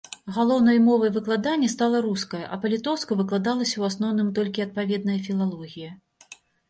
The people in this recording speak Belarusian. Галоўнай мовай выкладання стала руская, а па-літоўску выкладалася ў асноўным толькі адпаведная філалогія.